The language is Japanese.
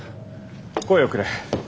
声をくれ。